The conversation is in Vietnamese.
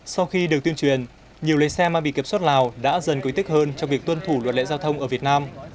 sau khi được tuyên truyền nhiều lái xe mà bị kiểm soát lào đã dần có ý tích hơn trong việc tuân thủ luật lệ giao thông ở việt nam